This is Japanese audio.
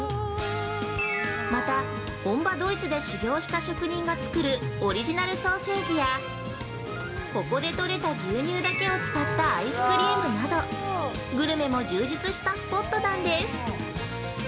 また、本場ドイツで修業した職人が作るオリジナルソーセージやここでとれた牛乳だけを使ったアイスクリームなどグルメも充実したスポットなんです。